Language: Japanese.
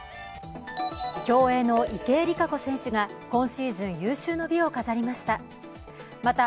競泳の池江璃花子選手が今シーズン有終の美を飾りました。